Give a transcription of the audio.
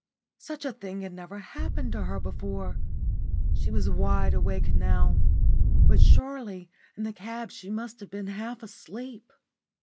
Such a thing had never happened to her before. She was wide awake now. But surely in the cab she must have been half asleep.